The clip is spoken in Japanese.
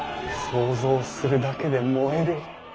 想像するだけで燃える。